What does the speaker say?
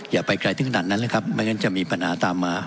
อย่าไปไกลถึงขนาดนั้นเลยครับไม่งั้นจะมีปัญหาตามมา